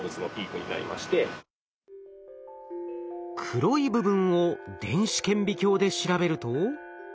黒い部分を電子顕微鏡で調べると。